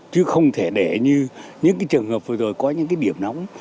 chứ không thể để như những cái trường hợp vừa rồi có những cái điểm nóng